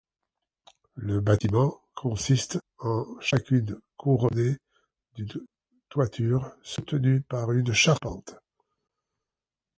Le bâtiment consiste en chacune couronnée d'une toiture soutenue par une charpente.